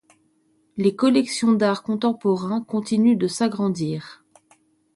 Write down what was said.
Les collections d'art contemporain continuent de s’agrandir.